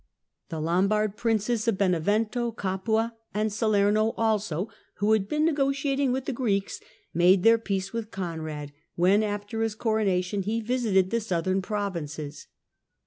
The Lombard princes of Benevento, Capua and Salerno also, who had been negotiating with the Greeks, made their peace with Conrad, when, after his coronation, he visited the southern provinces.